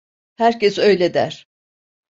Herkes öyle der.